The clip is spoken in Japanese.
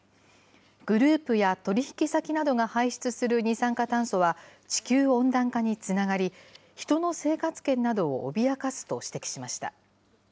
グループや取り引き先などが排出する二酸化炭素は地球温暖化につながり、人の生活圏などを脅かすと指摘しました。